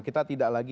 kita tidak lagi